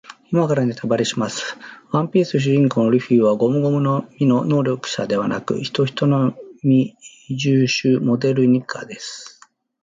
今からネタバレします。ワンピース主人公のルフィはゴムゴムの実の能力者ではなく、ヒトヒトの実幻獣種モデルニカです。